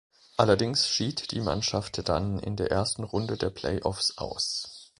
Allerdings schied die Mannschaft dann in der ersten Runde der Play-offs aus.